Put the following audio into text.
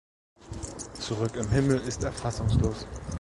Zurück im Himmel ist er fassungslos.